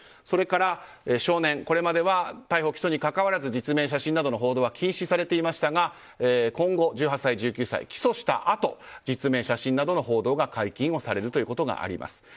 それから、少年これまで逮捕・起訴にかかわらず実名、写真などの報道は禁止されていましたが今後、１８歳、１９歳は起訴したあと実名、写真などの報道が解禁されるということがあります。